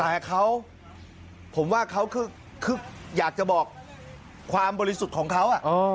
แต่เขาผมว่าเขาคืออยากจะบอกความบริสุทธิ์ของเขา